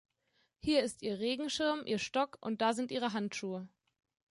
Hier ist Ihr Regenschirm Ihr Stock und da sind Ihre Handschuhe.